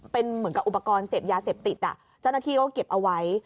เป็นเหมือนกับอุปกรณ์เสพยาเสพติดเจ้าหน้าที่ก็เก็บเอาไว้